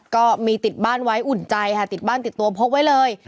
ก็มีติดบ้านไว้อุ่นใจค่ะติดบ้านติดตัวพกไว้เลย